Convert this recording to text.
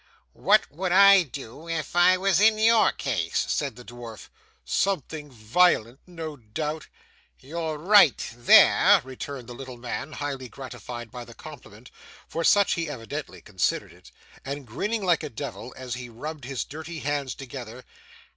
'What would I do if I was in your case?' said the dwarf. 'Something violent, no doubt.' 'You're right there,' returned the little man, highly gratified by the compliment, for such he evidently considered it; and grinning like a devil as he rubbed his dirty hands together.